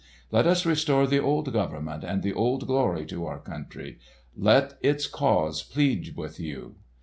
Let us restore the old government and the old glory to our country. Let its cause plead with you!"